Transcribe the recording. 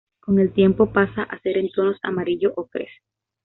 Con el tiempo pasa a ser en tonos amarillo-ocres.